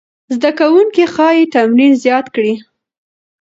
زده کوونکي ښايي تمرین زیات کړي.